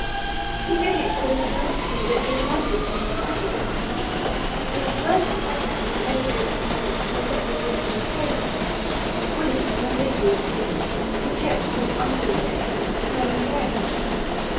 He did it with a courtesy that redounded to his credit. His first act was to elevate his torch to a level with my face, squint malignantly, project his under lip, and turn away.